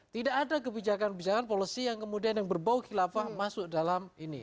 tidak ada kebijakan kebijakan policy yang kemudian yang berbau khilafah masuk dalam ini